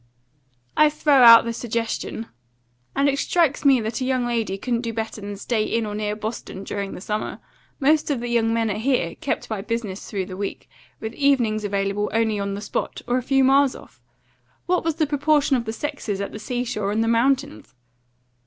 "I throw out the suggestion. And it strikes me that a young lady couldn't do better than stay in or near Boston during the summer. Most of the young men are here, kept by business through the week, with evenings available only on the spot, or a few miles off. What was the proportion of the sexes at the seashore and the mountains?"